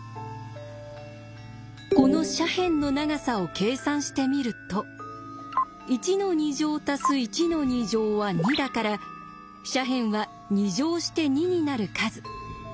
この斜辺の長さを計算してみると１の２乗足す１の２乗は２だから斜辺は２乗して２になる数そう